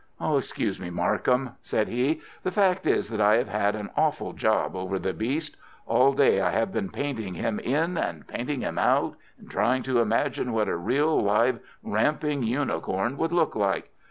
"Excuse me, Markham!" said he; "the fact is that I have had an awful job over the beast. All day I have been painting him in and painting him out, and trying to imagine what a real live, ramping unicorn would look like.